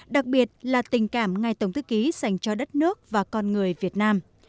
đặc biệt là tình cảm ngài tổng thư ký dành cho đất nước và con người việt nam